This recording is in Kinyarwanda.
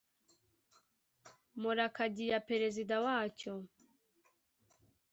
murakagiya perezida wa cyo